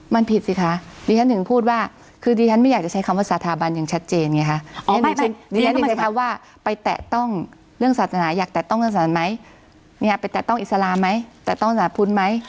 มันผิดสิคะดีฉันถึงพูดว่าคือดีฉันไม่อยากจะใช้คำว่าสาธารณ์อย่างชัดเจนไงคะ